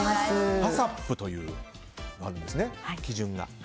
ＨＡＣＣＰというのがあるんですね、基準が。